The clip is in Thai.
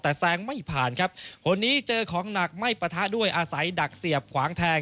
แต่แสงไม่ผ่านครับหนักไม่ปฏะด้วยอาศัยดักทรีย์ควางแทง